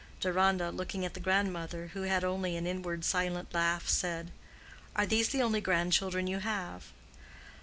Deronda, looking at the grandmother, who had only an inward silent laugh, said, "Are these the only grandchildren you have?"